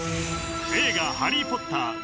映画「ハリー・ポッター」